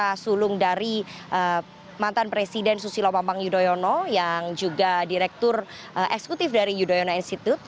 putra sulung dari mantan presiden susilo bambang yudhoyono yang juga direktur eksekutif dari yudhoyono institute